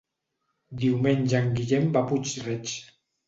Diumenge en Guillem va a Puig-reig.